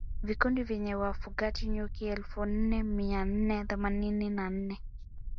Vikundi vyenye wafugaji nyuki elfu nne mia nne themanini na nne